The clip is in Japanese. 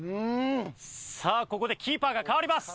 さあここでキーパーが代わります。